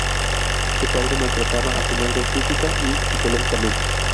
Su padre maltrataba a su madre física y psicológicamente.